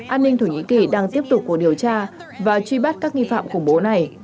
an ninh thổ nhĩ kỳ đang tiếp tục cuộc điều tra và truy bắt các nghi phạm khủng bố này